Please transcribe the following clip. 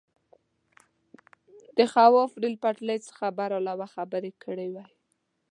د خواف ریل پټلۍ څخه برعلاوه خبرې کړې وای.